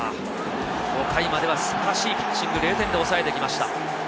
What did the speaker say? ５回までは素晴らしいピッチング、０点で抑えてきました。